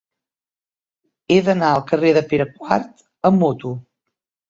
He d'anar al carrer de Pere IV amb moto.